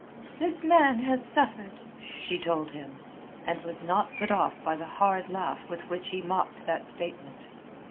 "This man has suffered," she told him, and was not put off by the hard laugh with which he mocked that statement.